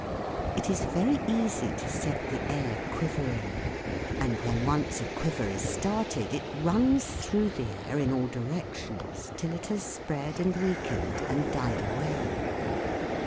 It is very easy to set the air quivering, and when once a quiver is started it runs through the air in all directions till it has spread and weakened and died away.